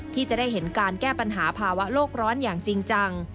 ที่จะได้เห็นการแก้ปัญหาภาวะโลกร้อนอย่างจริงจัง